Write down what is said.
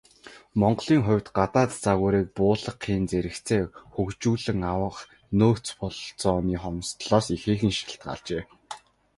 Монголын хувьд, гадаад загварыг буулгахын зэрэгцээ хөгжүүлэн авах нөөц бололцооны хомсдолоос ихээхэн шалтгаалжээ.